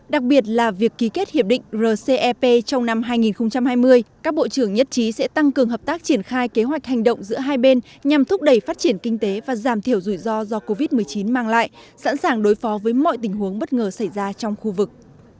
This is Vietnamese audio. đặc biệt là việc ký kết hiệp định rcep trong năm hai nghìn hai mươi các bộ trưởng nhất trí sẽ tăng cường hợp tác triển khai kế hoạch hành động giữa hai bên nhằm thúc đẩy phát triển kinh tế và giảm thiểu rủi ro do covid một mươi chín mang lại sẵn sàng đối phó với mọi tình huống bất ngờ xảy ra trong khu vực